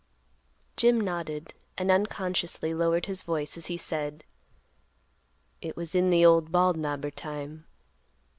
Jim nodded, and unconsciously lowered his voice, as he said, "It was in the old Bald Knobber time.